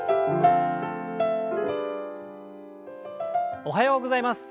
おはようございます。